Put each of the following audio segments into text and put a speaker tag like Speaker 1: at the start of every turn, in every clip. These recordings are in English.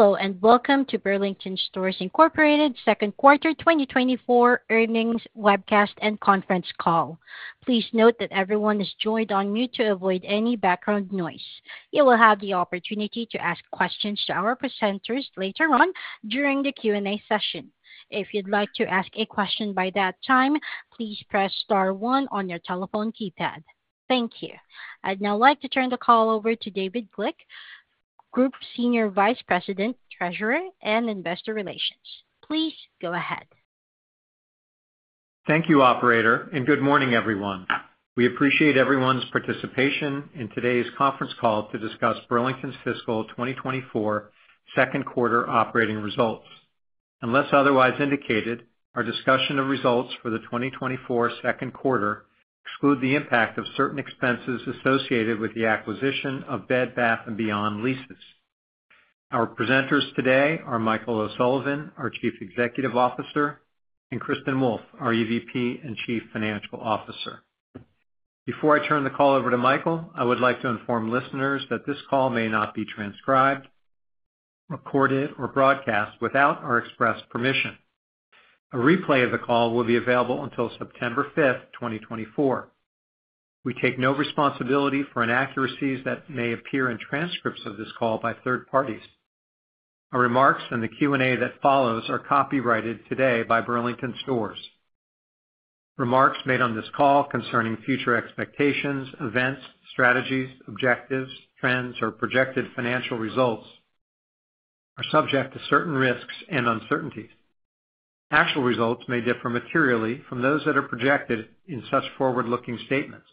Speaker 1: Hello, and welcome to Burlington Stores Incorporated second quarter 2024 earnings webcast and conference call. Please note that everyone is joined on mute to avoid any background noise. You will have the opportunity to ask questions to our presenters later on during the Q&A session. If you'd like to ask a question by that time, please press star one on your telephone keypad. Thank you. I'd now like to turn the call over to David Glick, Group Senior Vice President, Treasurer, and Investor Relations. Please go ahead.
Speaker 2: Thank you, operator, and good morning, everyone. We appreciate everyone's participation in today's conference call to discuss Burlington's fiscal 2024 second quarter operating results. Unless otherwise indicated, our discussion of results for the 2024 second quarter exclude the impact of certain expenses associated with the acquisition of Bed Bath & Beyond leases. Our presenters today are Michael O'Sullivan, our Chief Executive Officer, and Kristin Wolfe, our EVP and Chief Financial Officer. Before I turn the call over to Michael, I would like to inform listeners that this call may not be transcribed, recorded, or broadcast without our express permission. A replay of the call will be available until September fifth, 2024. We take no responsibility for inaccuracies that may appear in transcripts of this call by third parties. Our remarks in the Q&A that follows are copyrighted today by Burlington Stores. Remarks made on this call concerning future expectations, events, strategies, objectives, trends, or projected financial results are subject to certain risks and uncertainties. Actual results may differ materially from those that are projected in such forward-looking statements.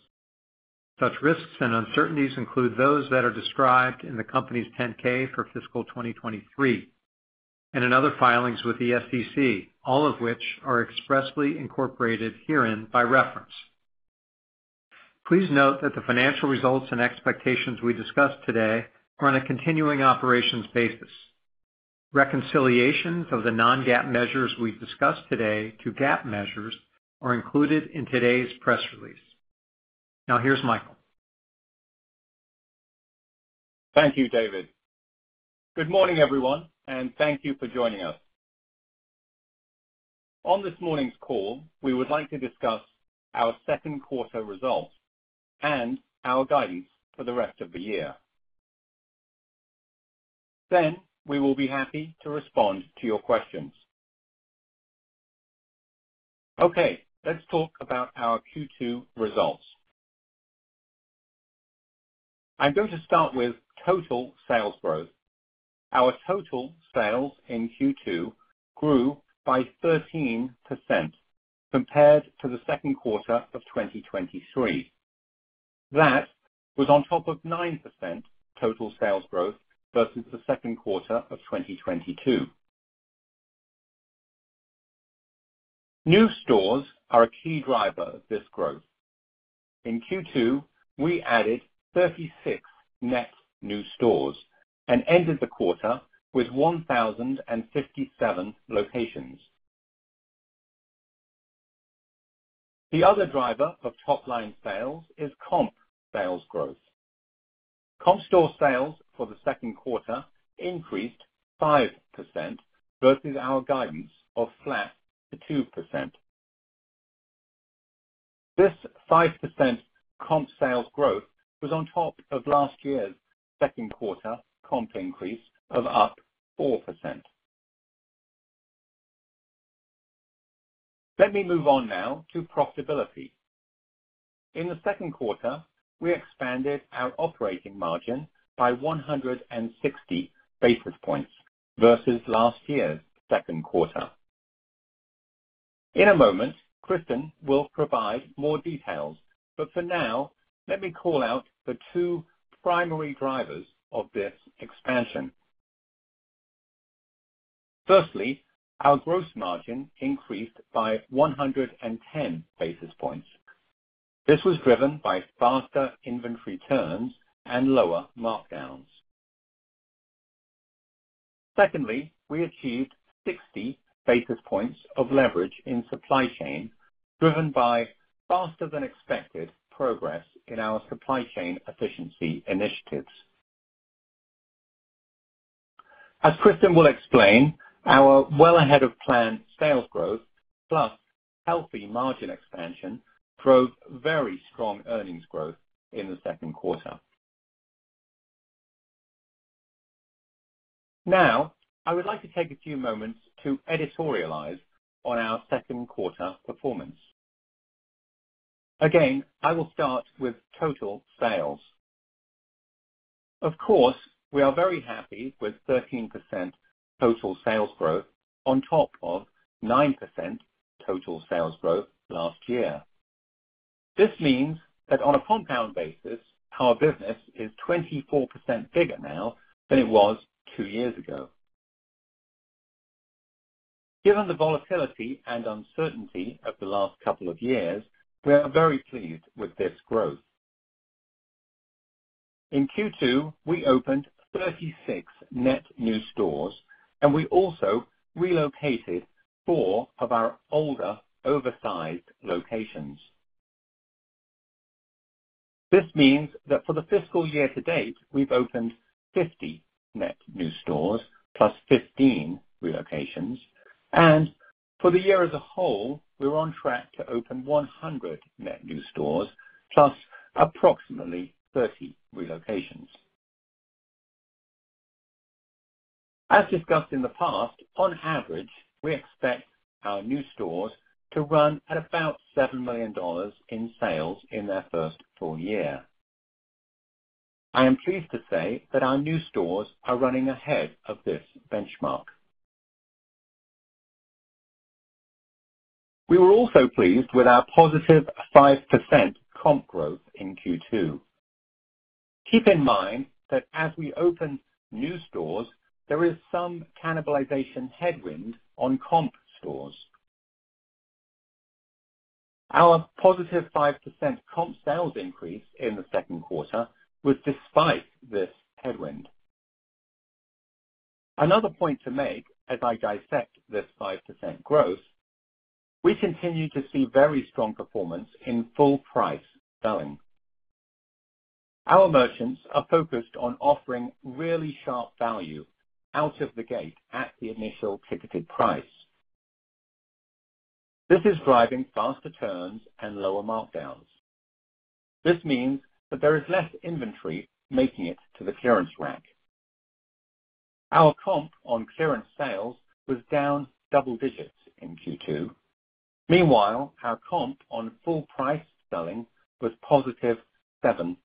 Speaker 2: Such risks and uncertainties include those that are described in the company's 10-K for fiscal 2023, and in other filings with the SEC, all of which are expressly incorporated herein by reference. Please note that the financial results and expectations we discuss today are on a continuing operations basis. Reconciliations of the non-GAAP measures we've discussed today to GAAP measures are included in today's press release. Now, here's Michael.
Speaker 3: Thank you, David. Good morning, everyone, and thank you for joining us. On this morning's call, we would like to discuss our second quarter results and our guidance for the rest of the year. Then, we will be happy to respond to your questions. Okay, let's talk about our Q2 results. I'm going to start with total sales growth. Our total sales in Q2 grew by 13% compared to the second quarter of 2023. That was on top of 9% total sales growth versus the second quarter of 2022. New stores are a key driver of this growth. In Q2, we added 36 net new stores and ended the quarter with 1,057 locations. The other driver of top-line sales is comp sales growth. Comp store sales for the second quarter increased 5% versus our guidance of flat to 2%. This 5% comp sales growth was on top of last year's second quarter comp increase of up 4%. Let me move on now to profitability. In the second quarter, we expanded our operating margin by 160 basis points versus last year's second quarter. In a moment, Kristin will provide more details, but for now, let me call out the two primary drivers of this expansion. Firstly, our gross margin increased by 110 basis points. This was driven by faster inventory turns and lower markdowns. Secondly, we achieved 60 basis points of leverage in supply chain, driven by faster than expected progress in our supply chain efficiency initiatives. As Kristin will explain, we're well ahead of plan sales growth, plus healthy margin expansion, drove very strong earnings growth in the second quarter. Now, I would like to take a few moments to editorialize on our second quarter performance. Again, I will start with total sales. Of course, we are very happy with 13% total sales growth on top of 9% total sales growth last year. This means that on a compound basis, our business is 24% bigger now than it was two years ago. Given the volatility and uncertainty of the last couple of years, we are very pleased with this growth. In Q2, we opened 36 net new stores, and we also relocated four of our older, oversized locations. This means that for the fiscal year-to-date, we've opened 50 net new stores, +15 relocations, and for the year as a whole, we're on track to open 100 net new stores, plus approximately 30 relocations. As discussed in the past, on average, we expect our new stores to run at about $7 million in sales in their first full year. I am pleased to say that our new stores are running ahead of this benchmark. We were also pleased with our positive 5% comp growth in Q2. Keep in mind that as we open new stores, there is some cannibalization headwind on comp stores. Our positive 5% comp sales increase in the second quarter was despite this headwind. Another point to make, as I dissect this 5% growth, we continue to see very strong performance in full price selling. Our merchants are focused on offering really sharp value out of the gate at the initial ticketed price. This is driving faster turns and lower markdowns. This means that there is less inventory making it to the clearance rack. Our comp on clearance sales was down double digits in Q2. Meanwhile, our comp on full price selling was positive 7%.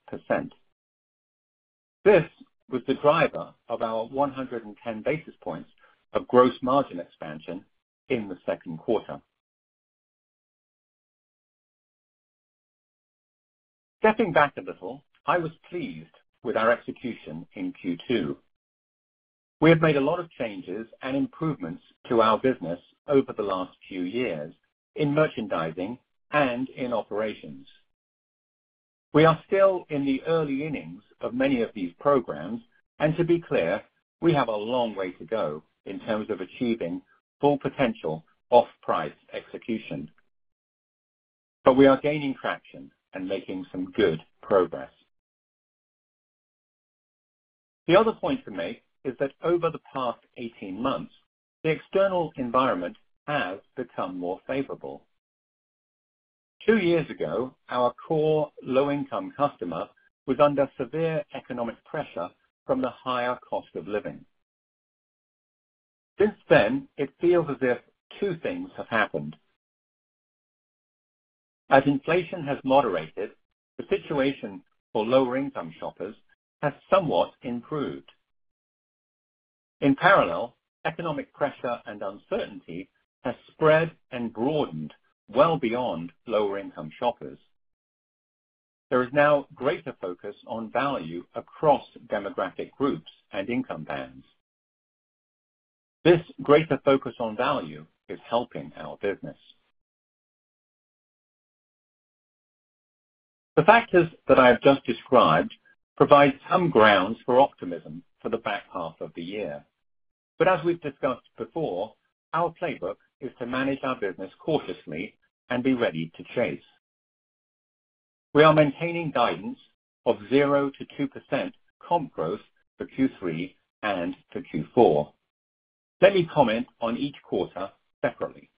Speaker 3: This was the driver of our 110 basis points of gross margin expansion in the second quarter. Stepping back a little, I was pleased with our execution in Q2. We have made a lot of changes and improvements to our business over the last few years in merchandising and in operations. We are still in the early innings of many of these programs, and to be clear, we have a long way to go in terms of achieving full potential off-price execution, but we are gaining traction and making some good progress. The other point to make is that over the past 18 months, the external environment has become more favorable. Two years ago, our core low-income customer was under severe economic pressure from the higher cost of living. Since then, it feels as if two things have happened. As inflation has moderated, the situation for lower-income shoppers has somewhat improved. In parallel, economic pressure and uncertainty has spread and broadened well beyond lower-income shoppers. There is now greater focus on value across demographic groups and income bands. This greater focus on value is helping our business. The factors that I have just described provide some grounds for optimism for the back half of the year. But as we've discussed before, our playbook is to manage our business cautiously and be ready to chase. We are maintaining guidance of 0% to 2% comp growth for Q3 and for Q4. Let me comment on each quarter separately.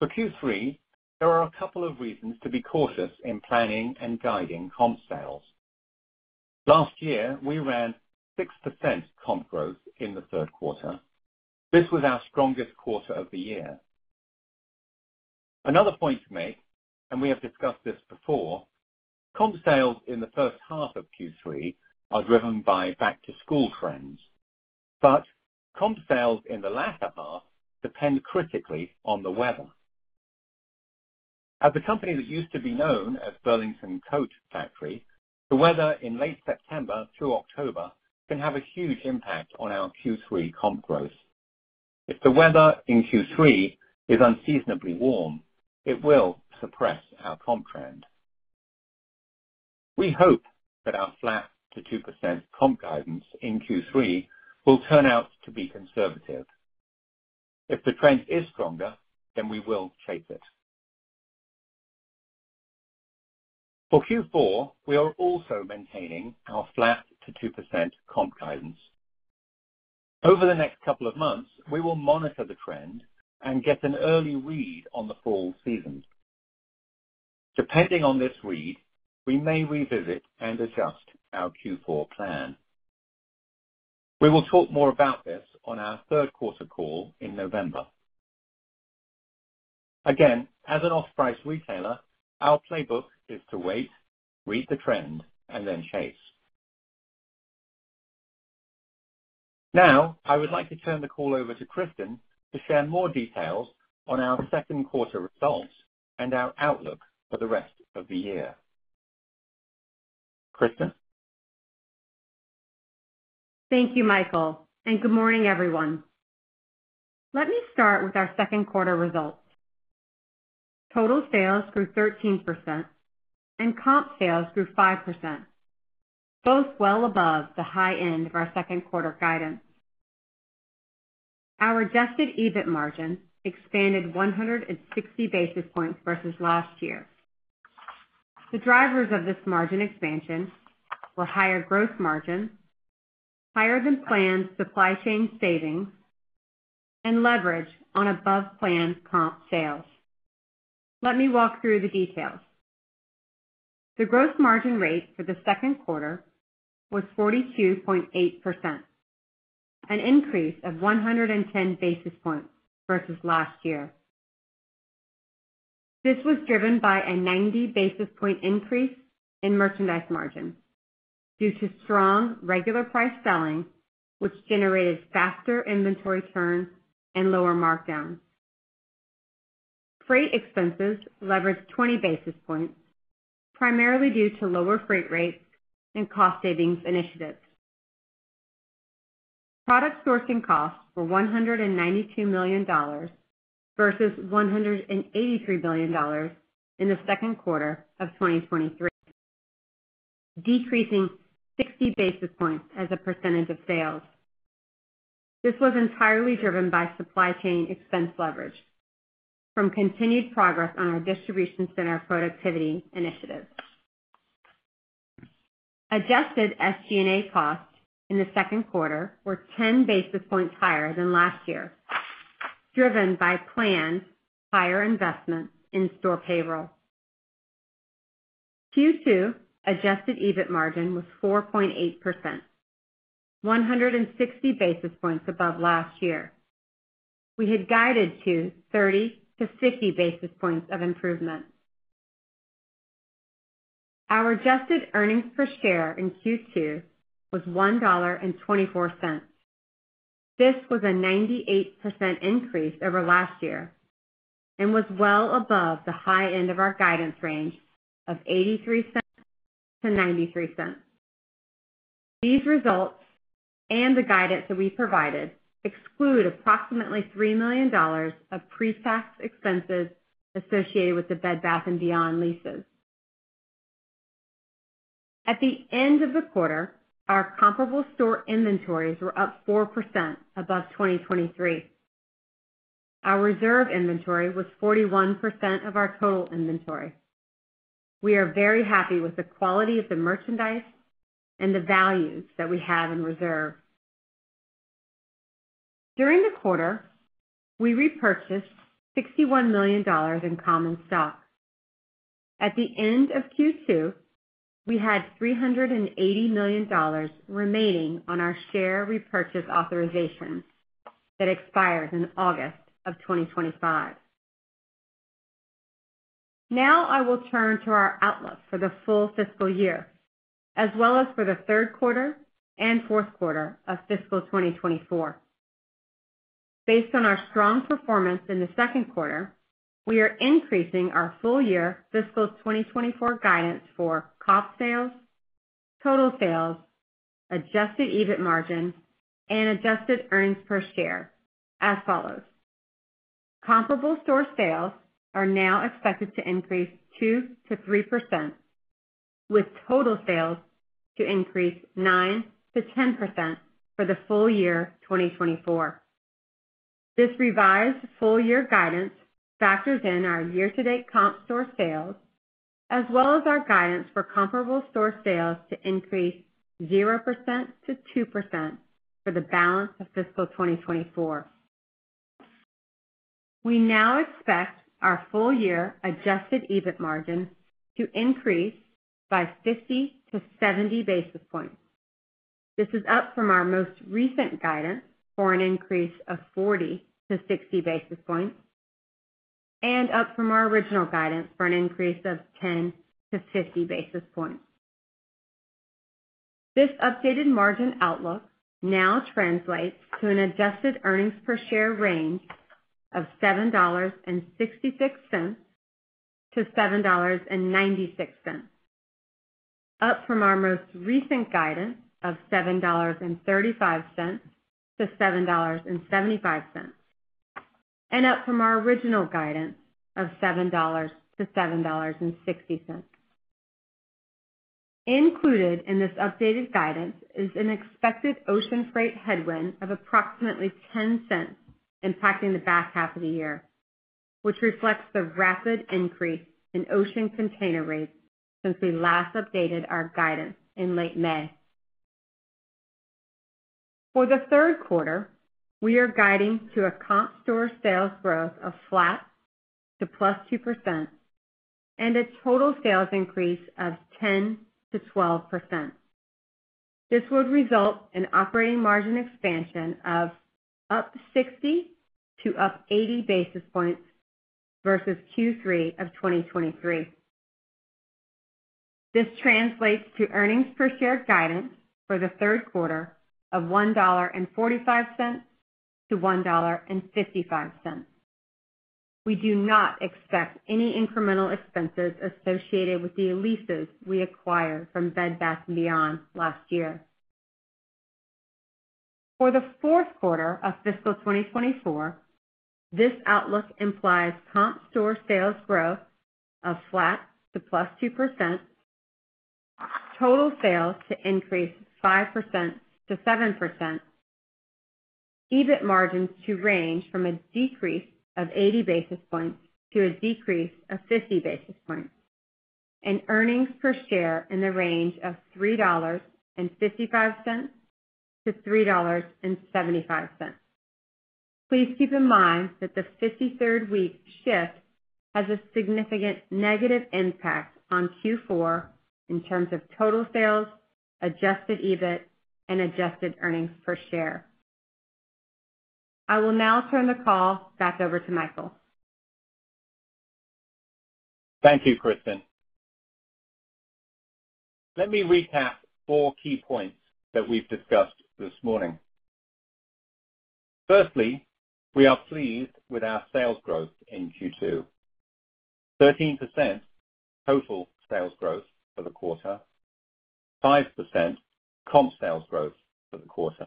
Speaker 3: For Q3, there are a couple of reasons to be cautious in planning and guiding comp sales. Last year, we ran 6% comp growth in the third quarter. This was our strongest quarter of the year. Another point to make, and we have discussed this before, comp sales in the first half of Q3 are driven by back-to-school trends, but comp sales in the latter half depend critically on the weather. As the company that used to be known as Burlington Coat Factory, the weather in late September through October can have a huge impact on our Q3 comp growth. If the weather in Q3 is unseasonably warm, it will suppress our comp trend. We hope that our flat to 2% comp guidance in Q3 will turn out to be conservative. If the trend is stronger, then we will chase it. For Q4, we are also maintaining our flat to 2% comp guidance. Over the next couple of months, we will monitor the trend and get an early read on the fall season. Depending on this read, we may revisit and adjust our Q4 plan. We will talk more about this on our third quarter call in November. Again, as an off-price retailer, our playbook is to wait, read the trend, and then chase. Now, I would like to turn the call over to Kristin to share more details on our second quarter results and our outlook for the rest of the year. Kristin?
Speaker 2: Thank you, Michael, and good morning, everyone. Let me start with our second quarter results. Total sales grew 13% and comp sales grew 5%, both well above the high end of our second quarter guidance. Our adjusted EBIT margin expanded 160 basis points versus last year. The drivers of this margin expansion were higher gross margin, higher than planned supply chain savings, and leverage on above-plan comp sales. Let me walk through the details. The gross margin rate for the second quarter was 42.8%, an increase of 110 basis points versus last year. This was driven by a 90 basis point increase in merchandise margin due to strong regular price selling, which generated faster inventory turns and lower markdowns. Freight expenses leveraged 20 basis points, primarily due to lower freight rates and cost savings initiatives. Product sourcing costs were $192 million versus $183 million in the second quarter of 2023, decreasing 60 basis points as a percentage of sales. This was entirely driven by supply chain expense leverage from continued progress on our distribution center productivity initiatives. Adjusted SG&A costs in the second quarter were 10 basis points higher than last year, driven by planned higher investment in store payroll. Q2 adjusted EBIT margin was 4.8%, 160 basis points above last year. We had guided to 30-50 basis points of improvement. Our adjusted earnings per share in Q2 was $1.24. This was a 98% increase over last year and was well above the high end of our guidance range of $0.83-$0.93. These results and the guidance that we provided exclude approximately $3 million of pre-tax expenses associated with the Bed Bath & Beyond leases. At the end of the quarter, our comparable store inventories were up 4% above 2023. Our reserve inventory was 41% of our total inventory. We are very happy with the quality of the merchandise and the values that we have in reserve. During the quarter, we repurchased $61 million in common stock. At the end of Q2, we had $380 million remaining on our share repurchase authorization that expires in August 2025. Now I will turn to our outlook for the full fiscal year, as well as for the third quarter and fourth quarter of fiscal 2024. Based on our strong performance in the second quarter, we are increasing our full-year fiscal 2024 guidance for comp sales, total sales, adjusted EBIT margin, and adjusted earnings per share as follows. Comparable store sales are now expected to increase 2%-3%, with total sales to increase 9%-10% for the full year 2024. This revised full-year guidance factors in our year-to-date comp store sales, as well as our guidance for comparable store sales to increase 0%-2% for the balance of fiscal 2024. We now expect our full-year adjusted EBIT margin to increase by 50-70 basis points. This is up from our most recent guidance for an increase of 40-60 basis points and up from our original guidance for an increase of 10-50 basis points. This updated margin outlook now translates to an adjusted earnings per share range of $7.66-$7.96, up from our most recent guidance of $7.35-$7.75, and up from our original guidance of $7.00-$7.60. Included in this updated guidance is an expected ocean freight headwind of approximately $0.10 impacting the back half of the year, which reflects the rapid increase in ocean container rates since we last updated our guidance in late May. For the third quarter, we are guiding to a comp store sales growth of flat to +2% and a total sales increase of 10%-12%. This would result in operating margin expansion of up 60 to up 80 basis points versus Q3 of 2023. This translates to earnings per share guidance for the third quarter of $1.45-$1.55. We do not expect any incremental expenses associated with the leases we acquired from Bed Bath & Beyond last year. For the fourth quarter of fiscal 2024, this outlook implies comp store sales growth of flat to +2%, total sales to increase 5%-7%, EBIT margins to range from a decrease of 80 basis points to a decrease of 50 basis points, and earnings per share in the range of $3.55-$3.75. Please keep in mind that the 53rd week shift has a significant negative impact on Q4 in terms of total sales, adjusted EBIT, and adjusted earnings per share. I will now turn the call back over to Michael.
Speaker 3: Thank you, Kristin. Let me recap four key points that we've discussed this morning. Firstly, we are pleased with our sales growth in Q2. 13% total sales growth for the quarter, 5% comp sales growth for the quarter.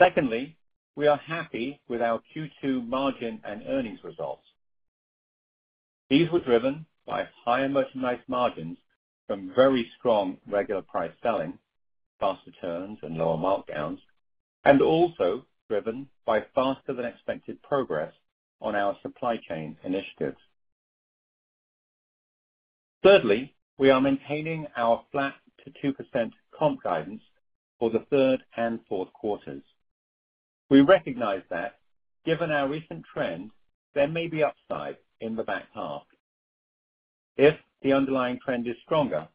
Speaker 3: Secondly, we are happy with our Q2 margin and earnings results. These were driven by higher merchandise margins from very strong regular price selling, faster turns and lower markdowns, and also driven by faster than expected progress on our supply chain initiatives. Thirdly, we are maintaining our flat to 2% comp guidance for the third and fourth quarters. We recognize that given our recent trend, there may be upside in the back half. If the underlying trend is stronger,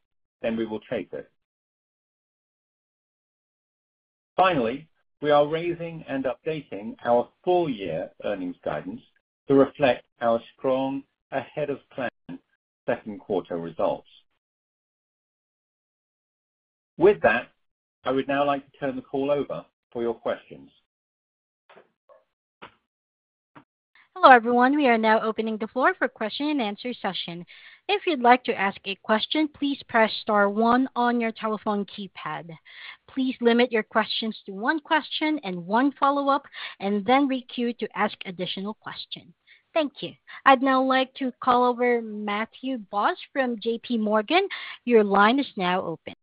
Speaker 3: then we will chase it. Finally, we are raising and updating our full year earnings guidance to reflect our strong ahead of plan second quarter results. With that, I would now like to turn the call over for your questions.
Speaker 1: Hello, everyone. We are now opening the floor for question and answer session. If you'd like to ask a question, please press star one on your telephone keypad. Please limit your questions to one question and one follow-up, and then queue to ask additional questions. Thank you. I'd now like to call over Matthew Boss from JPMorgan. Your line is now open.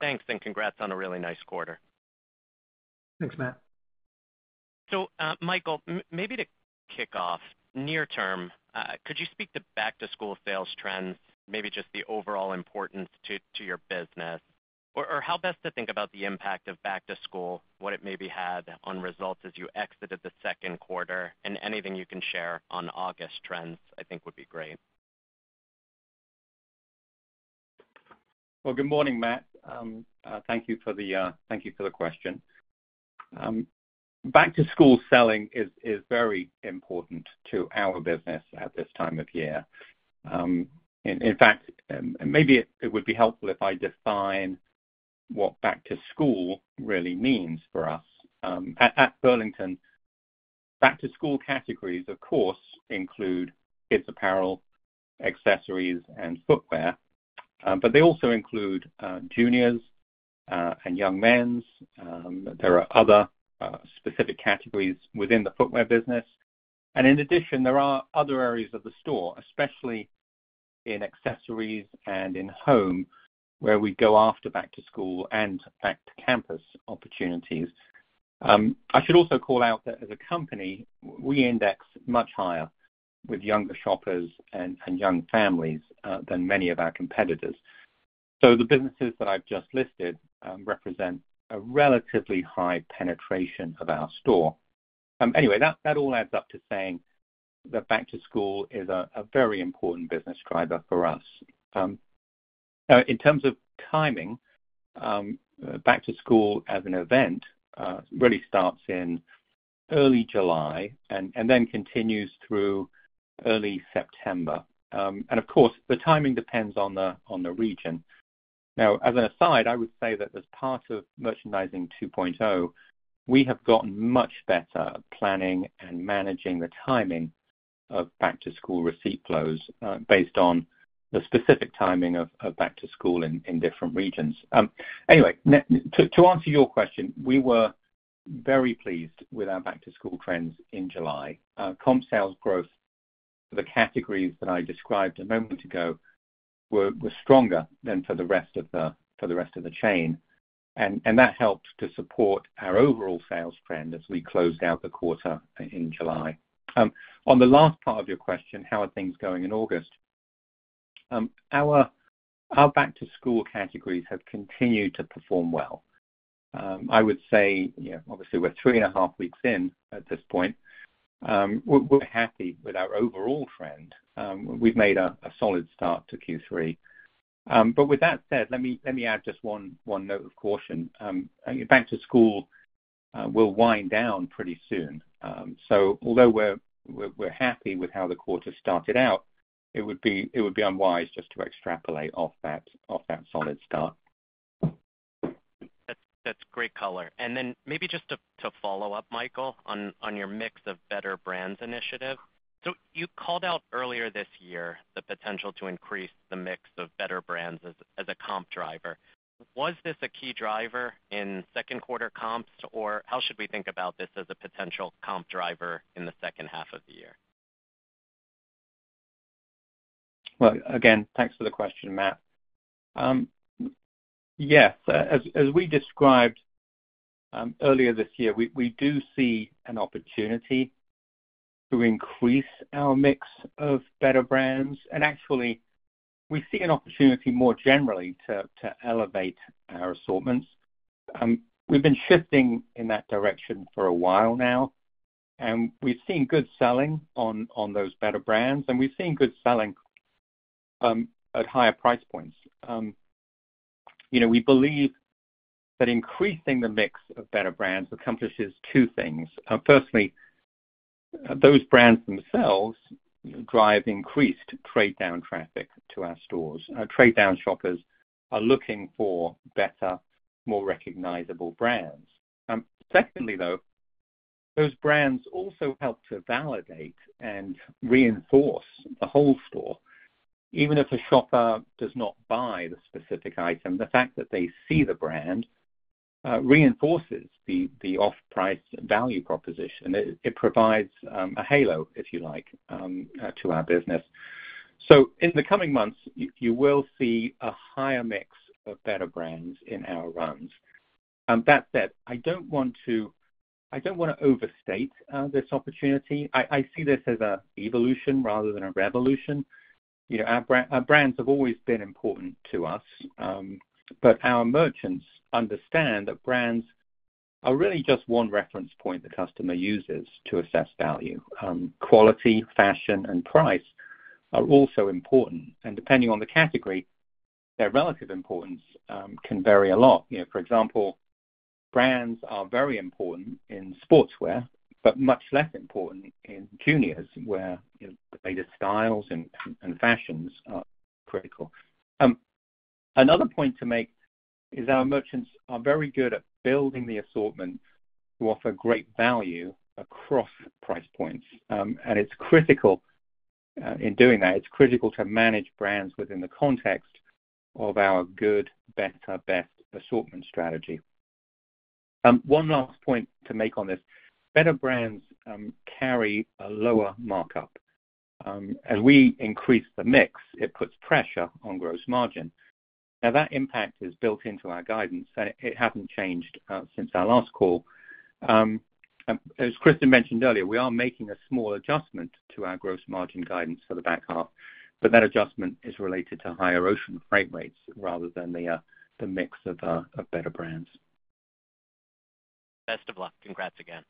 Speaker 4: Thanks, and congrats on a really nice quarter.
Speaker 3: Thanks, Matt.
Speaker 4: Michael, maybe to kick off near term, could you speak to back-to-school sales trends, maybe just the overall importance to your business? Or how best to think about the impact of back to school, what it maybe had on results as you exited the second quarter, and anything you can share on August trends, I think would be great.
Speaker 3: Good morning, Matt. Thank you for the question. Back-to-school selling is very important to our business at this time of year. In fact, maybe it would be helpful if I define what back to school really means for us. At Burlington, back to school categories, of course, include kids apparel, accessories, and footwear, but they also include juniors and young men's. There are other specific categories within the footwear business. And in addition, there are other areas of the store, especially in accessories and in home, where we go after back to school and back to campus opportunities. I should also call out that as a company, we index much higher with younger shoppers and young families than many of our competitors. So the businesses that I've just listed represent a relatively high penetration of our store. Anyway, that all adds up to saying that back-to-school is a very important business driver for us. In terms of timing, back-to-school as an event really starts in early July and then continues through early September. And of course, the timing depends on the region. Now, as an aside, I would say that as part of Merchandising 2.0, we have gotten much better at planning and managing the timing of back-to-school receipt flows based on the specific timing of back-to-school in different regions. Anyway, to answer your question, we were very pleased with our back-to-school trends in July. Comp sales growth for the categories that I described a moment ago were stronger than for the rest of the chain, and that helped to support our overall sales trend as we closed out the quarter in July. On the last part of your question, how are things going in August? Our back-to-school categories have continued to perform well. I would say, you know, obviously, we're three and a half weeks in at this point. We're happy with our overall trend. We've made a solid start to Q3. But with that said, let me add just one note of caution. Back-to-school will wind down pretty soon. So although we're happy with how the quarter started out, it would be unwise just to extrapolate off that solid start.
Speaker 4: That's great color. And then maybe just to follow up, Michael, on your mix of better brands initiative. So you called out earlier this year the potential to increase the mix of better brands as a comp driver. Was this a key driver in second quarter comps? Or how should we think about this as a potential comp driver in the second half of the year?
Speaker 3: Again, thanks for the question, Matt. Yes, as we described earlier this year, we do see an opportunity to increase our mix of better brands. Actually, we see an opportunity more generally to elevate our assortments. We've been shifting in that direction for a while now, and we've seen good selling on those better brands, and we've seen good selling at higher price points. You know, we believe that increasing the mix of better brands accomplishes two things. Firstly, those brands themselves drive increased trade down traffic to our stores. Our trade down shoppers are looking for better, more recognizable brands. Secondly, though, those brands also help to validate and reinforce the whole store. Even if a shopper does not buy the specific item, the fact that they see the brand reinforces the off-price value proposition. It provides a halo, if you like, to our business. So in the coming months, you will see a higher mix of better brands in our runs. That said, I don't want to—I don't wanna overstate this opportunity. I see this as an evolution rather than a revolution. You know, our brands have always been important to us, but our merchants understand that brands are really just one reference point the customer uses to assess value. Quality, fashion, and price are also important, and depending on the category, their relative importance can vary a lot. You know, for example, brands are very important in sportswear, but much less important in juniors, where, you know, the latest styles and fashions are critical. Another point to make is our merchants are very good at building the assortment to offer great value across price points. And it's critical, in doing that, it's critical to manage brands within the context of our good, better, best assortment strategy. One last point to make on this. Better brands carry a lower markup. As we increase the mix, it puts pressure on gross margin. Now, that impact is built into our guidance, and it hasn't changed since our last call. As Kristin mentioned earlier, we are making a small adjustment to our gross margin guidance for the back half, but that adjustment is related to higher ocean freight rates rather than the mix of better brands.
Speaker 4: Best of luck. Congrats again.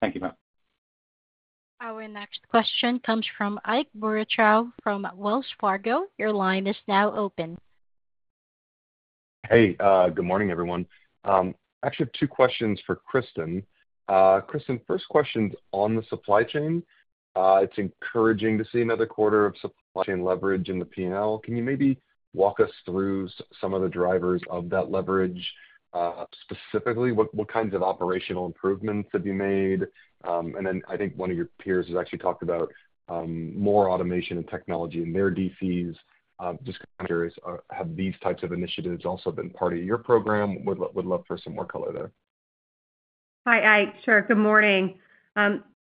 Speaker 3: Thank you, Matt.
Speaker 1: Our next question comes from Ike Boruchow, from Wells Fargo. Your line is now open.
Speaker 5: Hey, good morning, everyone. Actually, have two questions for Kristin. Kristin, first question's on the supply chain. It's encouraging to see another quarter of supply chain leverage in the P&L. Can you maybe walk us through some of the drivers of that leverage? Specifically, what kinds of operational improvements have you made? And then I think one of your peers has actually talked about more automation and technology in their DCs. Just curious, have these types of initiatives also been part of your program? Would love for some more color there.
Speaker 2: Hi, Ike. Sure. Good morning.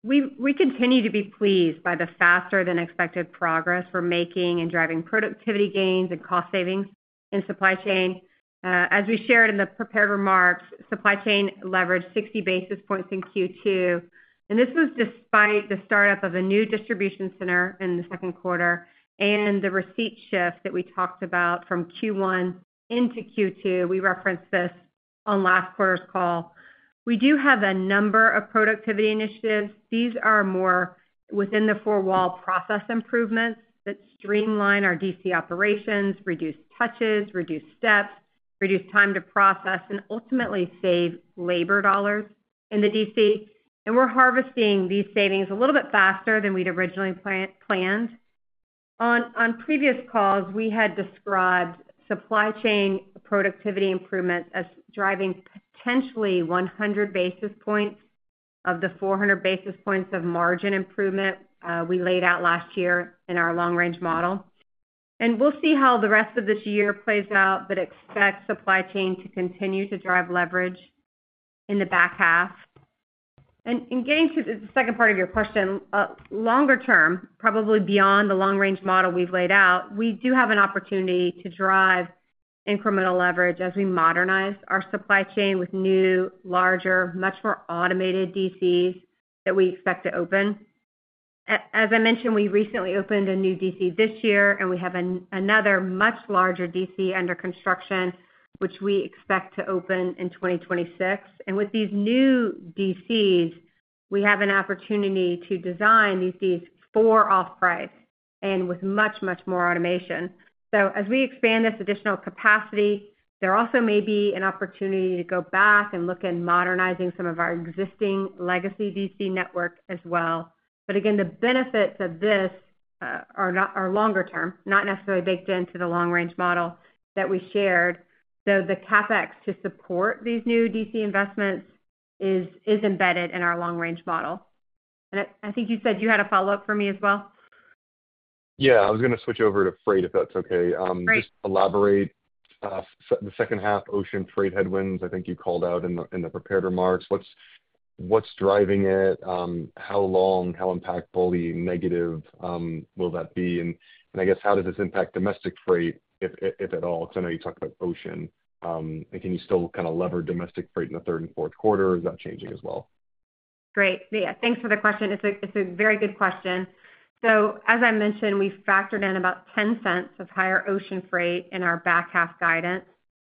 Speaker 2: We continue to be pleased by the faster than expected progress we're making in driving productivity gains and cost savings in supply chain. As we shared in the prepared remarks, supply chain leveraged 60 basis points in Q2, and this was despite the startup of a new distribution center in the second quarter and the receipt shift that we talked about from Q1 into Q2. We referenced this on last quarter's call. We do have a number of productivity initiatives. These are more within the four-wall process improvements that streamline our DC operations, reduce touches, reduce steps, reduce time to process, and ultimately save labor dollars in the DC, and we're harvesting these savings a little bit faster than we'd originally planned. On previous calls, we had described supply chain productivity improvements as driving potentially 100 basis points of the 400 basis points of margin improvement we laid out last year in our long range model. We'll see how the rest of this year plays out, but expect supply chain to continue to drive leverage in the back half. In getting to the second part of your question, longer term, probably beyond the long range model we've laid out, we do have an opportunity to drive incremental leverage as we modernize our supply chain with new, larger, much more automated DCs that we expect to open. As I mentioned, we recently opened a new DC this year, and we have another much larger DC under construction, which we expect to open in 2026. With these new DCs, we have an opportunity to design these DCs for off-price and with much, much more automation. So as we expand this additional capacity, there also may be an opportunity to go back and look at modernizing some of our existing legacy DC network as well. But again, the benefits of this are not, are longer term, not necessarily baked into the long range model that we shared. So the CapEx to support these new DC investments is embedded in our long range model. And I think you said you had a follow-up for me as well?
Speaker 5: Yeah, I was gonna switch over to freight, if that's okay.
Speaker 2: Great.
Speaker 5: Just elaborate the second half ocean freight headwinds, I think you called out in the prepared remarks. What's driving it? How long, how impactful the negative will that be? And I guess how does this impact domestic freight, if at all? Because I know you talked about ocean. And can you still kinda lever domestic freight in the third and fourth quarter, or is that changing as well?
Speaker 2: Great. Yeah, thanks for the question. It's a, it's a very good question. So as I mentioned, we factored in about $0.10 of higher ocean freight in our back half guidance,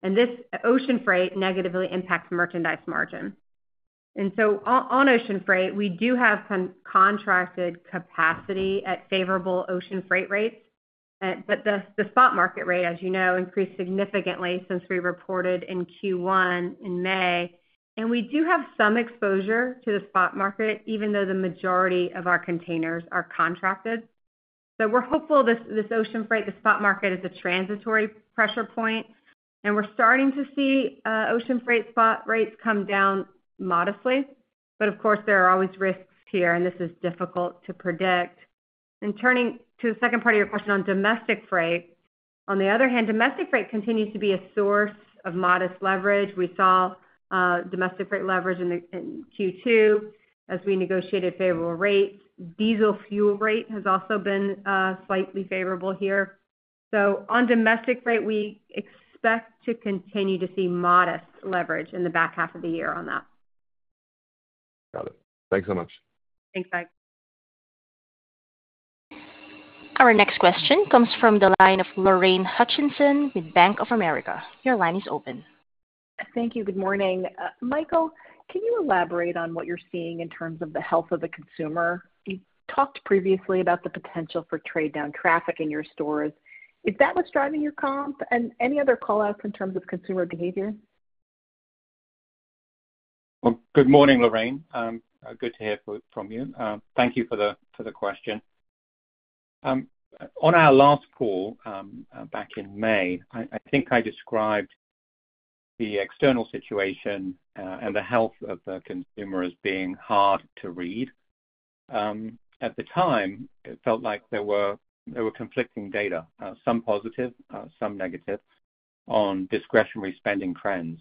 Speaker 2: and this ocean freight negatively impacts merchandise margin. And so on, on ocean freight, we do have some contracted capacity at favorable ocean freight rates. But the spot market rate, as you know, increased significantly since we reported in Q1 in May. And we do have some exposure to the spot market, even though the majority of our containers are contracted. So we're hopeful this ocean freight, the spot market, is a transitory pressure point, and we're starting to see ocean freight spot rates come down modestly. But of course, there are always risks here, and this is difficult to predict. And turning to the second part of your question on domestic freight. On the other hand, domestic freight continues to be a source of modest leverage. We saw domestic freight leverage in Q2 as we negotiated favorable rates. Diesel fuel rate has also been slightly favorable here. So on domestic freight, we expect to continue to see modest leverage in the back half of the year on that.
Speaker 5: Got it. Thanks so much.
Speaker 2: Thanks, Ike.
Speaker 1: Our next question comes from the line of Lorraine Hutchinson with Bank of America. Your line is open.
Speaker 6: Thank you. Good morning. Michael, can you elaborate on what you're seeing in terms of the health of the consumer? You talked previously about the potential for trade down traffic in your stores. Is that what's driving your comp? And any other call outs in terms of consumer behavior?
Speaker 3: Good morning, Lorraine. Good to hear from you. Thank you for the question. On our last call, back in May, I think I described the external situation and the health of the consumer as being hard to read. At the time, it felt like there were conflicting data, some positive, some negative, on discretionary spending trends.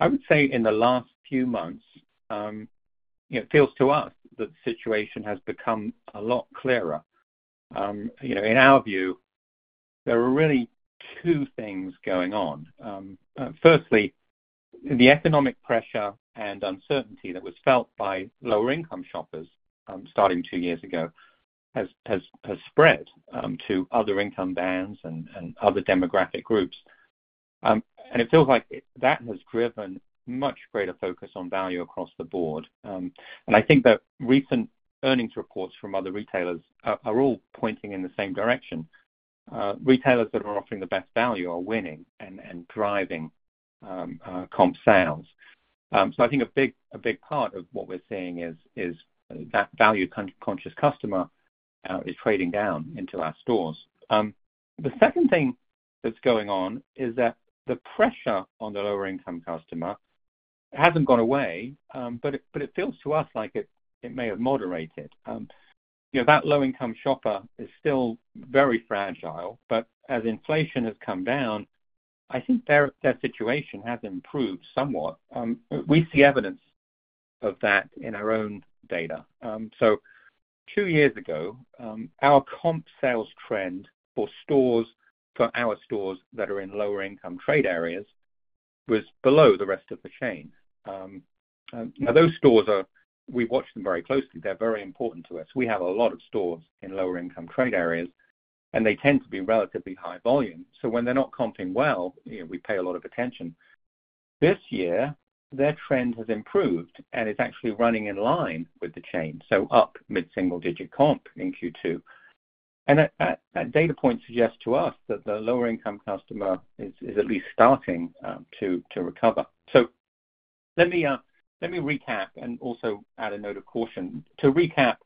Speaker 3: I would say in the last few months, it feels to us that the situation has become a lot clearer. You know, in our view, there are really two things going on. Firstly, the economic pressure and uncertainty that was felt by lower income shoppers, starting two years ago, has spread to other income bands and other demographic groups. It feels like that has driven much greater focus on value across the board. I think the recent earnings reports from other retailers are all pointing in the same direction. Retailers that are offering the best value are winning and driving comp sales. I think a big part of what we're seeing is that value-conscious customer is trading down into our stores. The second thing that's going on is that the pressure on the lower-income customer hasn't gone away, but it feels to us like it may have moderated. You know, that low-income shopper is still very fragile, but as inflation has come down, I think their situation has improved somewhat. We see evidence of that in our own data. So two years ago, our comp sales trend for stores, for our stores that are in lower income trade areas, was below the rest of the chain. Now those stores are... We watch them very closely. They're very important to us. We have a lot of stores in lower income trade areas, and they tend to be relatively high volume. So when they're not comping well, you know, we pay a lot of attention. This year, their trend has improved, and it's actually running in line with the chain, so up mid-single digit comp in Q2. And that data point suggests to us that the lower income customer is at least starting to recover. So let me recap and also add a note of caution. To recap,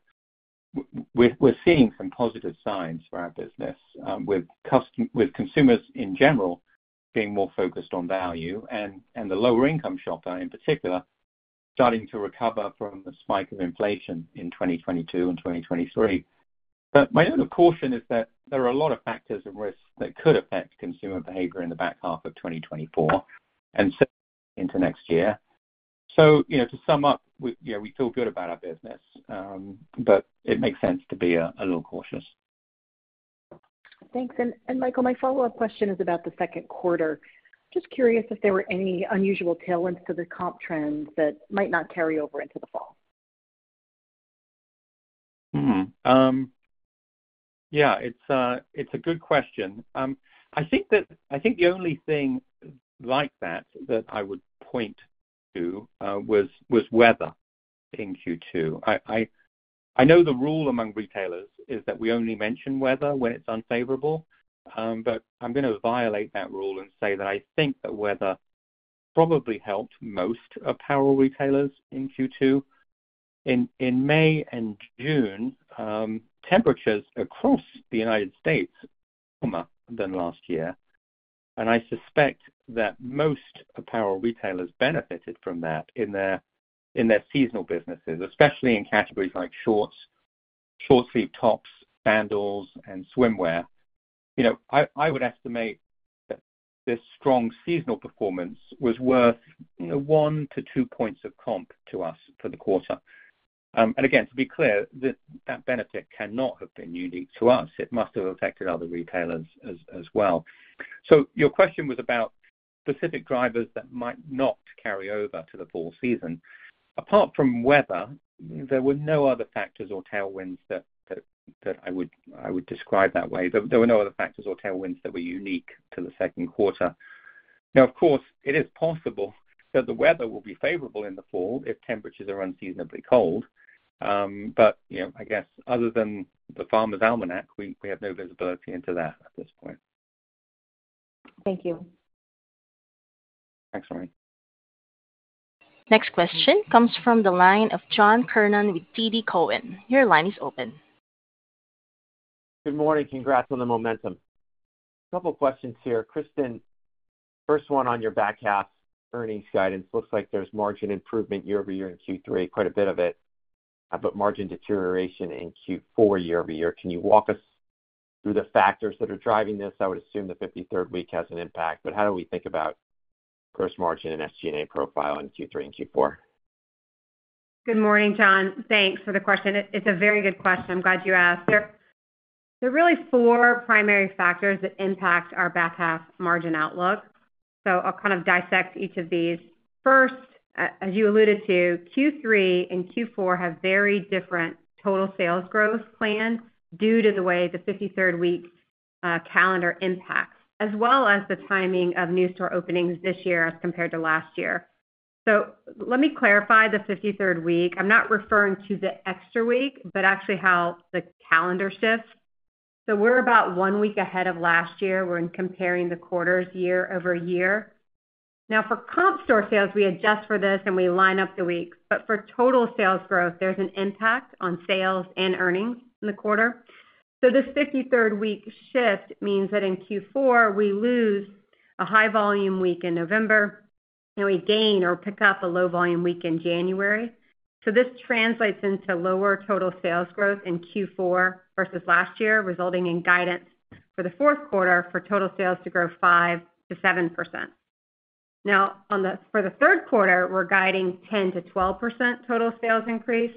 Speaker 3: we're seeing some positive signs for our business with consumers in general being more focused on value, and the lower income shopper, in particular, starting to recover from the spike of inflation in 2022 and 2023. But my note of caution is that there are a lot of factors and risks that could affect consumer behavior in the back half of 2024 and into next year. So, you know, to sum up, yeah, we feel good about our business, but it makes sense to be a little cautious.
Speaker 6: Thanks. Michael, my follow-up question is about the second quarter. Just curious if there were any unusual tailwinds to the comp trends that might not carry over into the fall?
Speaker 3: Mm-hmm. Yeah, it's a good question. I think the only thing like that that I would point to was weather in Q2. I know the rule among retailers is that we only mention weather when it's unfavorable, but I'm gonna violate that rule and say that I think that weather probably helped most apparel retailers in Q2. In May and June, temperatures across the United States warmer than last year. And I suspect that most apparel retailers benefited from that in their seasonal businesses, especially in categories like shorts, short-sleeved tops, sandals, and swimwear. You know, I would estimate that this strong seasonal performance was worth, you know, one to two points of comp to us for the quarter. And again, to be clear, that benefit cannot have been unique to us. It must have affected other retailers as well. So your question was about specific drivers that might not carry over to the fall season. Apart from weather, there were no other factors or tailwinds that I would describe that way. There were no other factors or tailwinds that were unique to the second quarter. Now, of course, it is possible that the weather will be favorable in the fall if temperatures are unseasonably cold. But, you know, I guess other than the Farmer's Almanac, we have no visibility into that at this point.
Speaker 6: Thank you.
Speaker 3: Thanks, Lorraine.
Speaker 1: Next question comes from the line of John Kernan with TD Cowen. Your line is open.
Speaker 7: Good morning. Congrats on the momentum. Couple questions here. Kristin, first one on your back half earnings guidance. Looks like there's margin improvement year-over-year in Q3, quite a bit of it, but margin deterioration in Q4 year-over-year. Can you walk us through the factors that are driving this? I would assume the 53rd week has an impact, but how do we think about gross margin and SG&A profile in Q3 and Q4?
Speaker 2: Good morning, John. Thanks for the question. It's a very good question. I'm glad you asked. There are really four primary factors that impact our back half margin outlook, so I'll kind of dissect each of these. First, as you alluded to, Q3 and Q4 have very different total sales growth plans due to the way the 53rd week calendar impacts, as well as the timing of new store openings this year as compared to last year. So let me clarify the 53rd week. I'm not referring to the extra week, but actually how the calendar shifts. So we're about week ahead of last year. We're comparing the quarters year-over-year. Now, for comp store sales, we adjust for this, and we line up the weeks. But for total sales growth, there's an impact on sales and earnings in the quarter. So this 53rd week shift means that in Q4, we lose a high volume week in November, and we gain or pick up a low volume week in January. So this translates into lower total sales growth in Q4 versus last year, resulting in guidance for the fourth quarter for total sales to grow 5%-7%. Now, on the, for the third quarter, we're guiding 10%-12% total sales increase.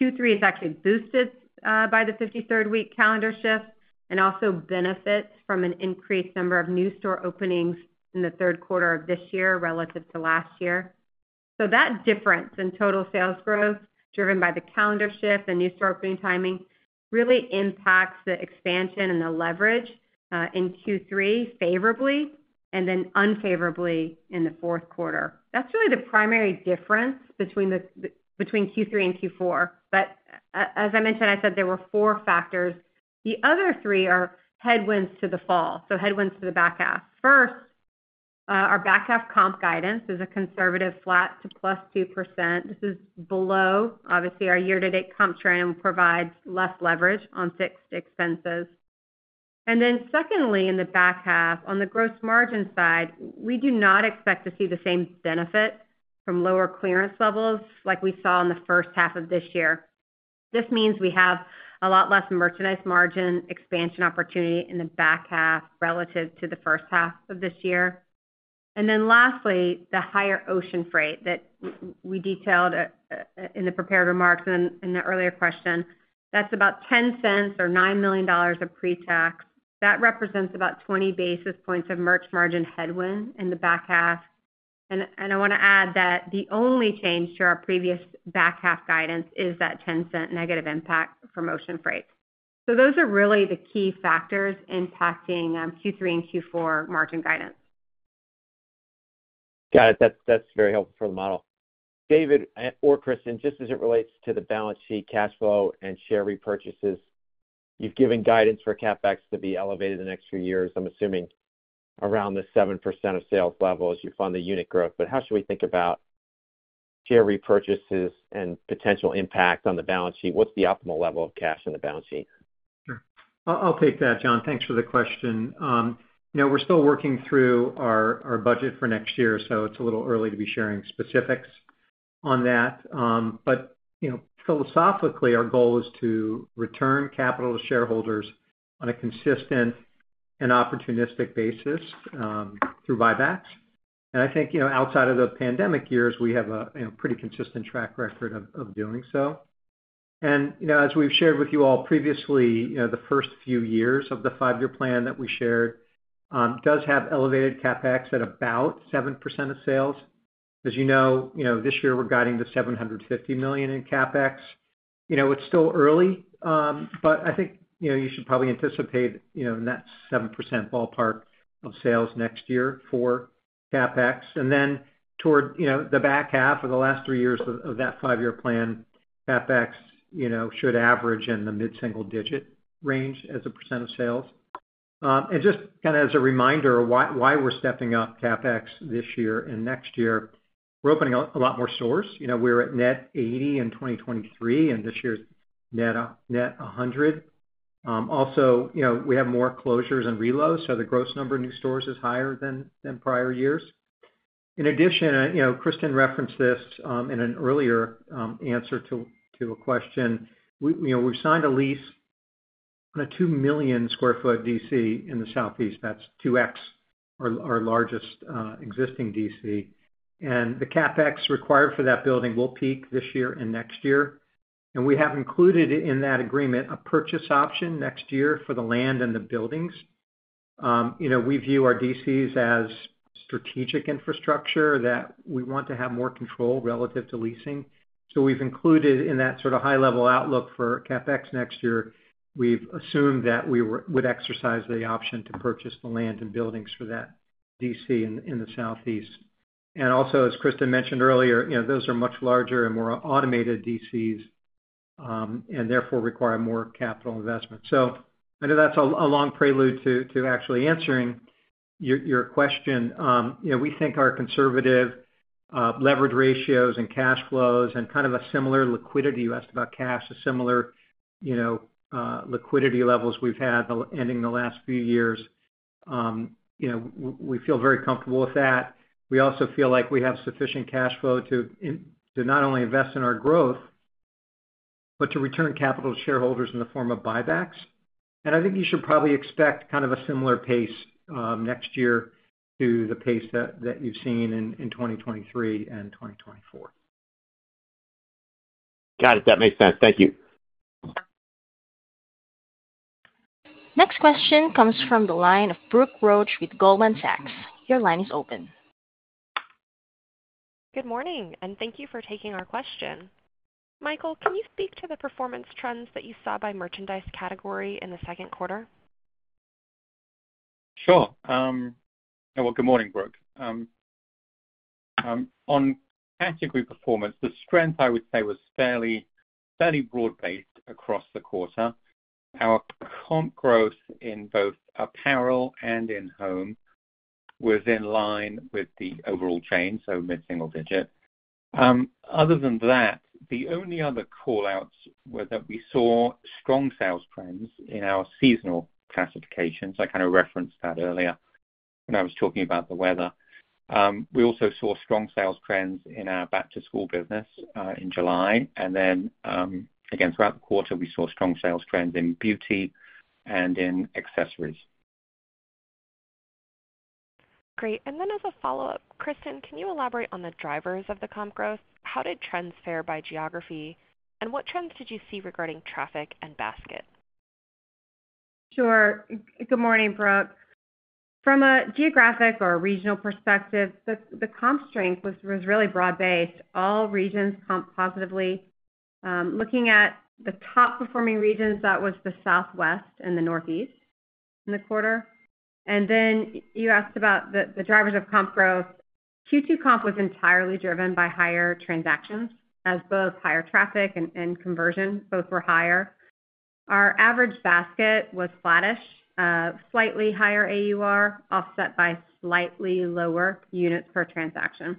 Speaker 2: Q3 is actually boosted by the 53rd week calendar shift and also benefits from an increased number of new store openings in the third quarter of this year relative to last year. So that difference in total sales growth, driven by the calendar shift and new store opening timing, really impacts the expansion and the leverage in Q3 favorably and then unfavorably in the fourth quarter. That's really the primary difference between Q3 and Q4. But as I mentioned, I said there were four factors. The other three are headwinds to the fall, so headwinds to the back half. First, our back half comp guidance is a conservative flat to +2%. This is below. Obviously, our year-to-date comp trend provides less leverage on fixed expenses. And then secondly, in the back half, on the gross margin side, we do not expect to see the same benefit from lower clearance levels like we saw in the first half of this year. This means we have a lot less merchandise margin expansion opportunity in the back half relative to the first half of this year. And then lastly, the higher ocean freight that we detailed in the prepared remarks and in the earlier question. That's about $0.10 or $9 million of pre-tax. That represents about 20 basis points of merch margin headwind in the back half. And I wanna add that the only change to our previous back half guidance is that $0.10 negative impact from ocean freight. So those are really the key factors impacting Q3 and Q4 margin guidance.
Speaker 7: Got it. That's, that's very helpful for the model. David or Kristin, just as it relates to the balance sheet, cash flow, and share repurchases, you've given guidance for CapEx to be elevated the next few years, I'm assuming around the 7% of sales level as you fund the unit growth. But how should we think about share repurchases and potential impact on the balance sheet? What's the optimal level of cash on the balance sheet?
Speaker 8: Sure. I'll take that, John. Thanks for the question. You know, we're still working through our budget for next year, so it's a little early to be sharing specifics on that. But, you know, philosophically, our goal is to return capital to shareholders on a consistent and opportunistic basis, through buybacks. And I think, you know, outside of the pandemic years, we have a pretty consistent track record of doing so. And, you know, as we've shared with you all previously, you know, the first few years of the five-year plan that we shared, does have elevated CapEx at about 7% of sales. As you know, you know, this year we're guiding $750 million in CapEx. You know, it's still early, but I think, you know, you should probably anticipate, you know, in that 7% ballpark of sales next year for CapEx. And then toward, you know, the back half of the last three years of that five-year plan, CapEx, you know, should average in the mid-single digit range as a percent of sales. And just kind of as a reminder, why we're stepping up CapEx this year and next year? We're opening up a lot more stores. You know, we're at net 80 in 2023, and this year's net 100. Also, you know, we have more closures and reloads, so the gross number of new stores is higher than prior years. In addition, you know, Kristin referenced this in an earlier answer to a question. You know, we've signed a lease on a 2 million sq ft DC in the Southeast. That's 2x our largest existing DC. And the CapEx required for that building will peak this year and next year. And we have included in that agreement a purchase option next year for the land and the buildings. You know, we view our DCs as strategic infrastructure that we want to have more control relative to leasing. So we've included in that sort of high-level outlook for CapEx next year we've assumed that we would exercise the option to purchase the land and buildings for that DC in the Southeast. And also, as Kristin mentioned earlier, you know, those are much larger and more automated DCs and therefore require more capital investment. So I know that's a long prelude to actually answering your question. You know, we think our conservative leverage ratios and cash flows and kind of a similar liquidity, you asked about cash, a similar, you know, liquidity levels we've had ending the last few years. You know, we feel very comfortable with that. We also feel like we have sufficient cash flow to not only invest in our growth, but to return capital to shareholders in the form of buybacks. And I think you should probably expect kind of a similar pace next year to the pace that you've seen in 2023 and 2024.
Speaker 7: Got it. That makes sense. Thank you.
Speaker 1: Next question comes from the line of Brooke Roach with Goldman Sachs. Your line is open.
Speaker 9: Good morning, and thank you for taking our question. Michael, can you speak to the performance trends that you saw by merchandise category in the second quarter?
Speaker 3: Sure. Well, good morning, Brooke. On category performance, the strength, I would say, was fairly broad-based across the quarter. Our comp growth in both apparel and in home was in line with the overall chain, so mid-single digit. Other than that, the only other call-outs were that we saw strong sales trends in our seasonal classifications. I kind of referenced that earlier when I was talking about the weather. We also saw strong sales trends in our back-to-school business in July, and then, again, throughout the quarter, we saw strong sales trends in beauty and in accessories.
Speaker 9: Great. And then as a follow-up, Kristin, can you elaborate on the drivers of the comp growth? How did trends fare by geography, and what trends did you see regarding traffic and basket?
Speaker 2: Sure. Good morning, Brooke. From a geographic or regional perspective, the comp strength was really broad-based. All regions comped positively. Looking at the top-performing regions, that was the Southwest and the Northeast in the quarter. And then you asked about the drivers of comp growth. Q2 comp was entirely driven by higher transactions as both higher traffic and conversion, both were higher. Our average basket was flattish, slightly higher AUR, offset by slightly lower units per transaction.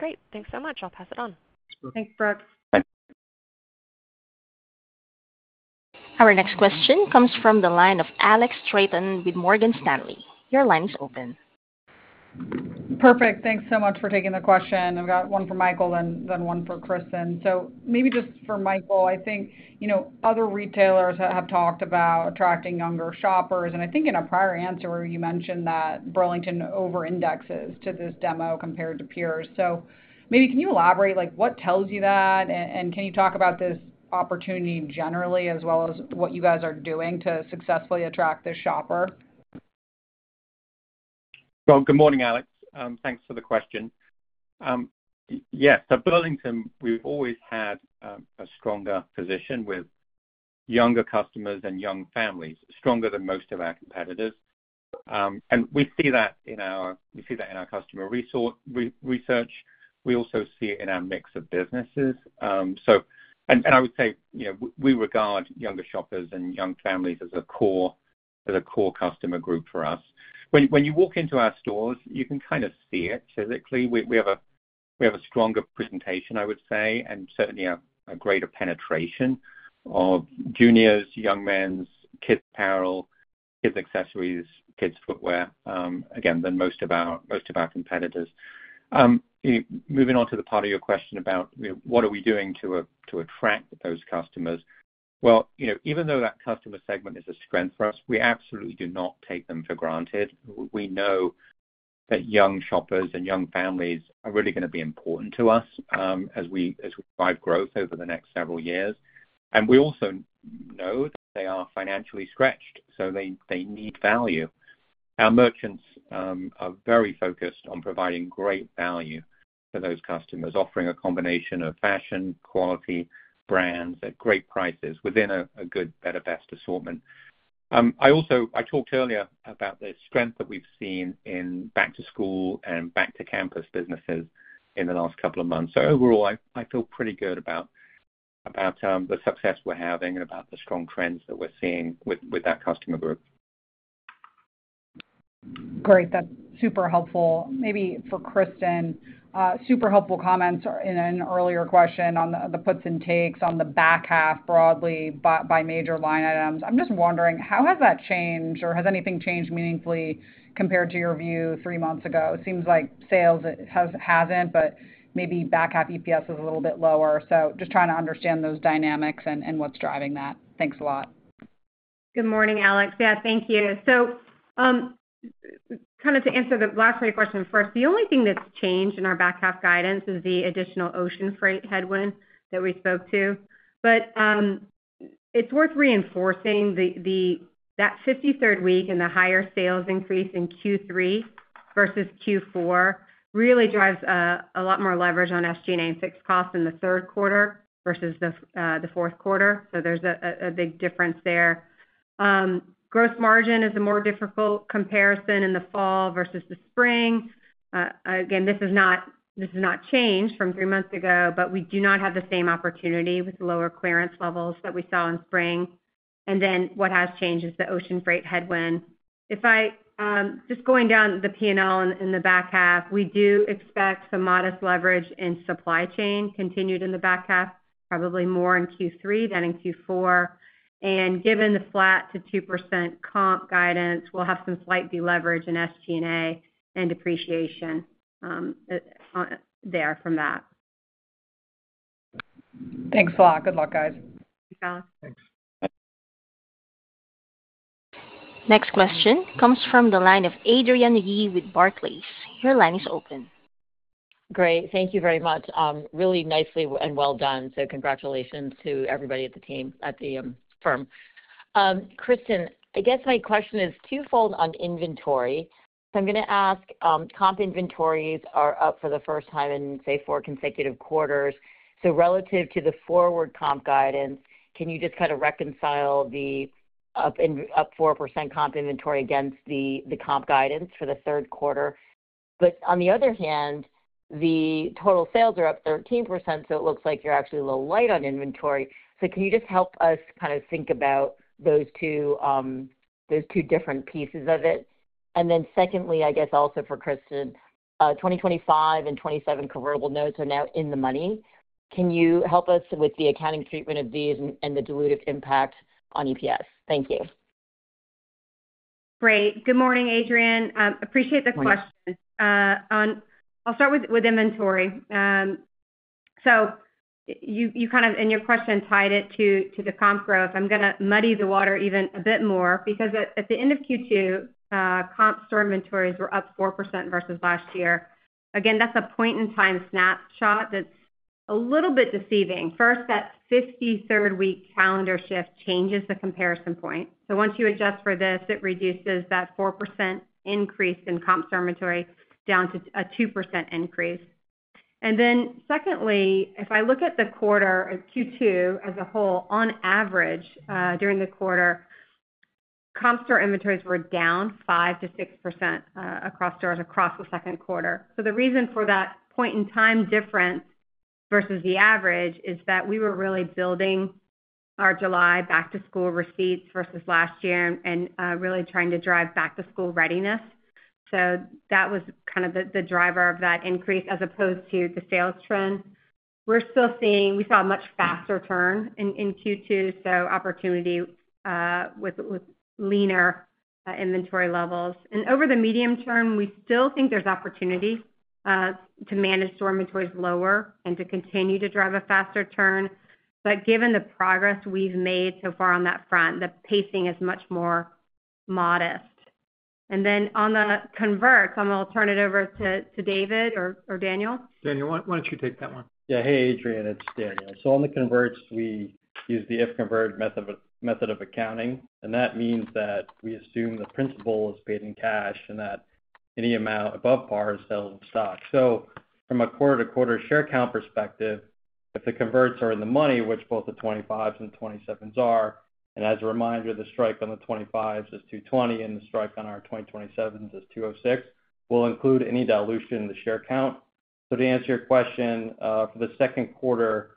Speaker 9: Great. Thanks so much. I'll pass it on.
Speaker 2: Thanks, Brooke.
Speaker 1: Our next question comes from the line of Alex Straton with Morgan Stanley. Your line is open.
Speaker 10: Perfect. Thanks so much for taking the question. I've got one for Michael and then one for Kristin. So maybe just for Michael, I think, you know, other retailers have talked about attracting younger shoppers, and I think in a prior answer, you mentioned that Burlington overindexes to this demo compared to peers. So maybe can you elaborate, like, what tells you that? And can you talk about this opportunity generally as well as what you guys are doing to successfully attract this shopper?
Speaker 3: Good morning, Alex, thanks for the question. Yes, at Burlington, we've always had a stronger position with younger customers and young families, stronger than most of our competitors. And we see that in our customer research. We also see it in our mix of businesses. So I would say, you know, we regard younger shoppers and young families as a core customer group for us. When you walk into our stores, you can kind of see it physically. We have a stronger presentation, I would say, and certainly a greater penetration of juniors, young men's, kids' apparel, kids' accessories, kids' footwear, again, than most of our competitors. Moving on to the part of your question about, you know, what are we doing to attract those customers. You know, even though that customer segment is a strength for us, we absolutely do not take them for granted. We know that young shoppers and young families are really gonna be important to us as we drive growth over the next several years. We also know that they are financially stretched, so they need value. Our merchants are very focused on providing great value to those customers, offering a combination of fashion, quality, brands at great prices within a good, better, best assortment. I also talked earlier about the strength that we've seen in back to school and back to campus businesses in the last couple of months. Overall, I feel pretty good about the success we're having and about the strong trends that we're seeing with that customer group.
Speaker 10: Great, that's super helpful. Maybe for Kristin, super helpful comments in an earlier question on the puts and takes on the back half, broadly, by major line items. I'm just wondering, how has that changed, or has anything changed meaningfully compared to your view three months ago? It seems like sales hasn't, but maybe back half EPS is a little bit lower. So just trying to understand those dynamics and what's driving that. Thanks a lot.
Speaker 2: Good morning, Alex. Yeah, thank you. So, kind of to answer the last part of your question first, the only thing that's changed in our back half guidance is the additional ocean freight headwind that we spoke to. But, it's worth reinforcing that the 53rd week and the higher sales increase in Q3 versus Q4 really drives a lot more leverage on SG&A and fixed costs in the third quarter versus the fourth quarter. So there's a big difference there. Gross margin is a more difficult comparison in the fall versus the spring. Again, this is not, this has not changed from three months ago, but we do not have the same opportunity with the lower clearance levels that we saw in spring, and then what has changed is the ocean freight headwind. If I just going down the P&L in the back half, we do expect some modest leverage in supply chain continued in the back half, probably more in Q3 than in Q4, and given the flat to 2% comp guidance, we'll have some slight deleverage in SG&A and depreciation on there from that.
Speaker 10: Thanks a lot. Good luck, guys.
Speaker 2: Thanks, Alex.
Speaker 3: Thanks.
Speaker 1: Next question comes from the line of Adrienne Yih with Barclays. Your line is open.
Speaker 11: Great. Thank you very much. Really nicely and well done. Congratulations to everybody at the team, at the firm. Kristin, I guess my question is twofold on inventory. I'm gonna ask, comp inventories are up for the first time in, say, four consecutive quarters. Relative to the forward comp guidance, can you just kind of reconcile the up 4% comp inventory against the comp guidance for the third quarter? But on the other hand, the total sales are up 13%, so it looks like you're actually a little light on inventory. Can you just help us kind of think about those two different pieces of it? And then secondly, I guess also for Kristin, 2025 and 2027 convertible notes are now in the money. Can you help us with the accounting treatment of these and the dilutive impact on EPS? Thank you.
Speaker 2: Great. Good morning, Adrienne. Appreciate the question.
Speaker 11: Good morning.
Speaker 2: On inventory, I'll start with inventory. So you kind of, in your question, tied it to the comp growth. I'm gonna muddy the water even a bit more, because at the end of Q2, comp store inventories were up 4% versus last year. Again, that's a point-in-time snapshot that's a little bit deceiving. First, that 53rd week calendar shift changes the comparison point. So once you adjust for this, it reduces that 4% increase in comp store inventory down to a 2% increase. And then secondly, if I look at the quarter, at Q2 as a whole, on average, during the quarter, comp store inventories were down 5%-6%, across stores across the second quarter. So the reason for that point-in-time difference versus the average is that we were really building our July back-to-school receipts versus last year and really trying to drive back-to-school readiness. That was kind of the driver of that increase as opposed to the sales trend. We're still seeing. We saw a much faster turn in Q2, so opportunity with leaner inventory levels. And over the medium term, we still think there's opportunity to manage store inventories lower and to continue to drive a faster turn. But given the progress we've made so far on that front, the pacing is much more modest. And then on the converts, I'm gonna turn it over to David or Daniel.
Speaker 3: Daniel, why, why don't you take that one?
Speaker 12: Yeah. Hey, Adrienne, it's Daniel. On the converts, we use the if-converted method of accounting, and that means that we assume the principal is paid in cash and that any amount above par is held in stock. From a quarter-to-quarter share count perspective, if the converts are in the money, which both the 2025s and the 2027s are, and as a reminder, the strike on the 2025s is $220, and the strike on our 2027s is $206, we'll include any dilution in the share count. To answer your question, for the second quarter,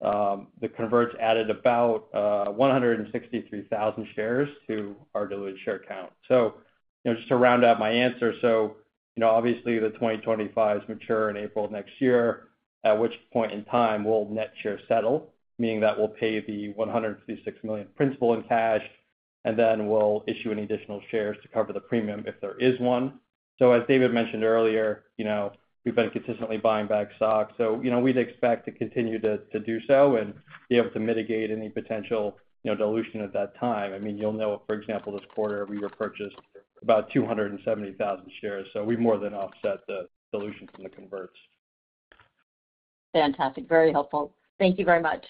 Speaker 12: the converts added about 163,000 shares to our diluted share count. So, you know, just to round out my answer, so you know, obviously, the 2025s mature in April of next year, at which point in time we'll net share settle, meaning that we'll pay the $156 million principal in cash, and then we'll issue any additional shares to cover the premium if there is one. So as David mentioned earlier, you know, we've been consistently buying back stock, so you know, we'd expect to continue to do so and be able to mitigate any potential, you know, dilution at that time. I mean, you'll know, for example, this quarter, we repurchased about 270,000 shares, so we more than offset the dilution from the converts.
Speaker 11: Fantastic. Very helpful. Thank you very much.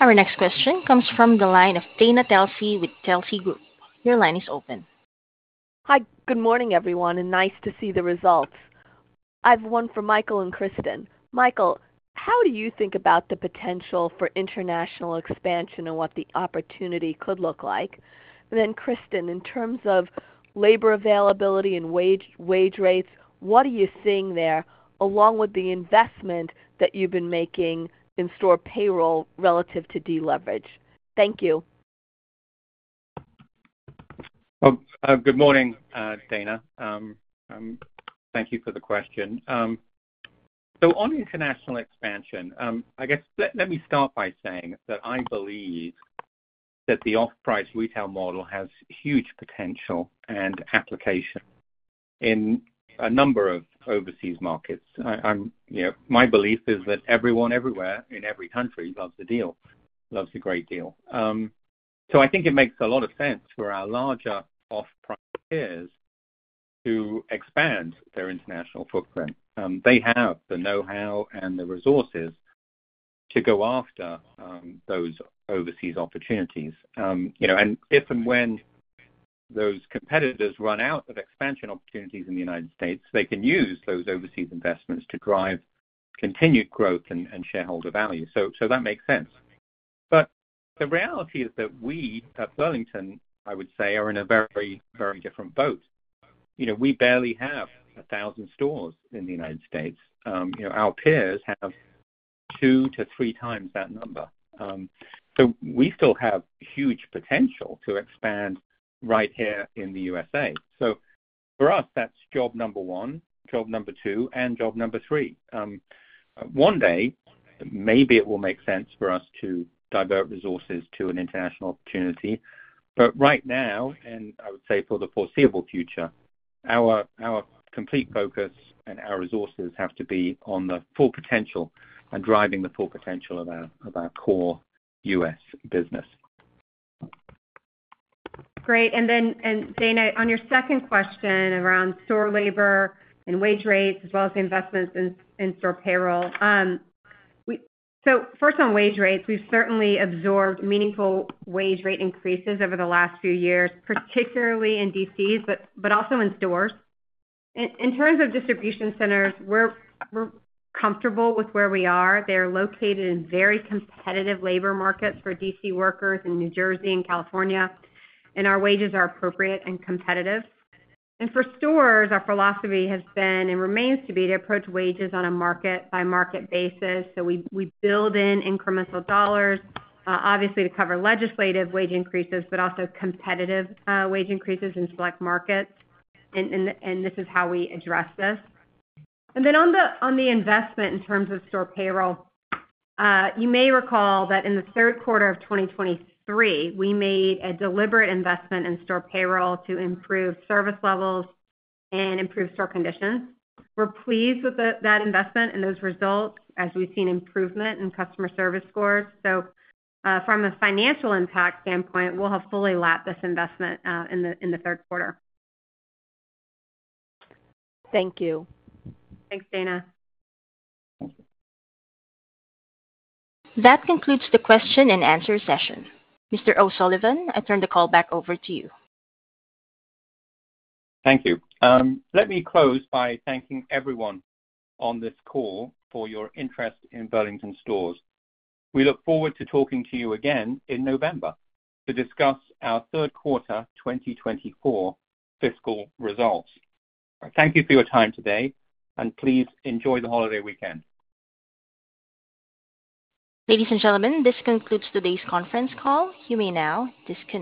Speaker 1: Our next question comes from the line of Dana Telsey with Telsey Group. Your line is open.
Speaker 13: Hi. Good morning, everyone, and nice to see the results. I have one for Michael and Kristin. Michael, How do you think about the potential for international expansion and what the opportunity could look like? And then, Kristin, in terms of labor availability and wage, wage rates, what are you seeing there, along with the investment that you've been making in store payroll relative to deleverage? Thank you.
Speaker 3: Good morning, Dana. Thank you for the question. So on international expansion, I guess let me start by saying that I believe that the off-price retail model has huge potential and application in a number of overseas markets. I'm, you know, my belief is that everyone, everywhere, in every country loves a deal, loves a great deal. So I think it makes a lot of sense for our larger off-price peers to expand their international footprint. They have the know-how and the resources to go after those overseas opportunities. You know, and if and when those competitors run out of expansion opportunities in the United States, they can use those overseas investments to drive continued growth and shareholder value. So that makes sense. But the reality is that we, at Burlington, I would say, are in a very, very different boat. You know, we barely have a thousand stores in the United States. You know, our peers have two to 3x that number. So we still have huge potential to expand right here in the USA. So for us, that's job number one, job number two, and job number three. One day, maybe it will make sense for us to divert resources to an international opportunity, but right now, and I would say for the foreseeable future, our, our complete focus and our resources have to be on the full potential and driving the full potential of our, of our core U.S. business.
Speaker 2: Great. And then, Dana, on your second question, around store labor and wage rates, as well as the investments in store payroll. So first on wage rates, we've certainly absorbed meaningful wage rate increases over the last few years, particularly in DCs, but also in stores. In terms of distribution centers, we're comfortable with where we are. They're located in very competitive labor markets for DC workers in New Jersey and California, and our wages are appropriate and competitive. And for stores, our philosophy has been and remains to be to approach wages on a market-by-market basis. So we build in incremental dollars, obviously to cover legislative wage increases, but also competitive wage increases in select markets, and this is how we address this. Then on the investment in terms of store payroll, you may recall that in the third quarter of 2023, we made a deliberate investment in store payroll to improve service levels and improve store conditions. We're pleased with that investment and those results as we've seen improvement in customer service scores. So from a financial impact standpoint, we'll have fully lapped this investment in the third quarter.
Speaker 13: Thank you.
Speaker 2: Thanks, Dana.
Speaker 1: That concludes the question-and-answer session. Mr. O'Sullivan, I turn the call back over to you.
Speaker 3: Thank you. Let me close by thanking everyone on this call for your interest in Burlington Stores. We look forward to talking to you again in November to discuss our third quarter 2024 fiscal results. Thank you for your time today, and please enjoy the holiday weekend.
Speaker 1: Ladies and gentlemen, this concludes today's conference call. You may now disconnect.